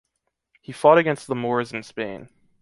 He fought against the Moors in Spain.